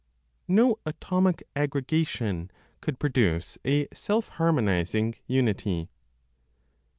NO ATOMIC AGGREGATION COULD PRODUCE A SELF HARMONIZING UNITY.